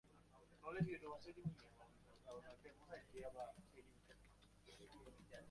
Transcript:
He proposed to two women, but neither accepted.